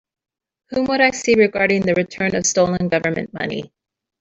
Whom would I see regarding the return of stolen Government money?